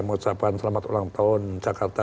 mengucapkan selamat ulang tahun jakarta